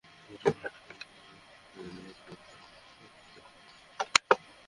ধানমন্ডির সীমান্ত স্কয়ারে তিন পর্দাবিশিষ্ট একটি মাল্টিপ্লেক্স তৈরির কাজ প্রায় শেষ পর্যায়ে।